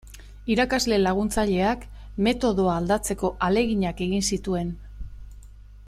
Irakasle laguntzaileak metodoa aldatzeko ahaleginak egin zituen.